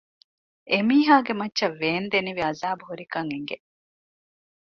އެމީހާގެ މައްޗަށް ވޭންދެނިވި ޢަޛާބު ހުރިކަން އެނގެ